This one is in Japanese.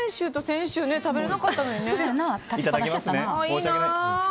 先々週と先週食べられなかったのに。